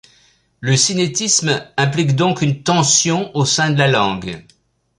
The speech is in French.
Le cinétisme implique donc une tension au sein de la langue.